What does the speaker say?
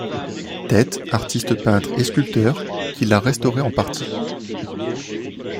Tête, artiste peintre et sculpteur, qui l'a restauré en partie.